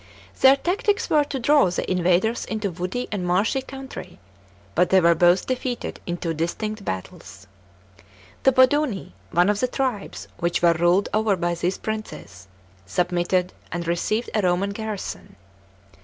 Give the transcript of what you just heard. Their tactics were to draw the invaders into woody and marshy country, but they were both defeated in two distinct battles. The Boduni, one of the tribes which were ruled over by these princes, submitted, and received a Roman garrison.